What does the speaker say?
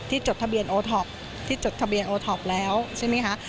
จดทะเบียนโอท็อปที่จดทะเบียนโอท็อปแล้วใช่ไหมคะ